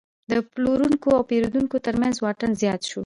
د پلورونکو او پیرودونکو ترمنځ واټن زیات شو.